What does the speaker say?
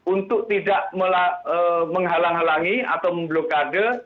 untuk tidak menghalang halangi atau memblokade